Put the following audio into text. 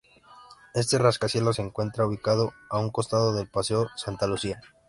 Este rascacielos se encuentra ubicado a un costado del Paseo Santa Lucía.